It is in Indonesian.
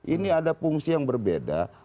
ini ada fungsi yang berbeda